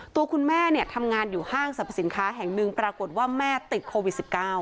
ตัวคุณแม่ทำงานอยู่ห้างสรรพสินค้าแห่งหนึ่งปรากฏว่าแม่ติดโควิด๑๙